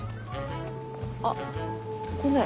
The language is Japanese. あごめん